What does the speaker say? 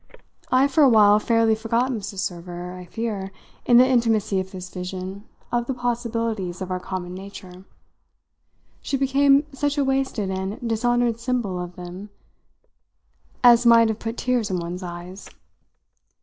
I for a while fairly forgot Mrs. Server, I fear, in the intimacy of this vision of the possibilities of our common nature. She became such a wasted and dishonoured symbol of them as might have put tears in one's eyes.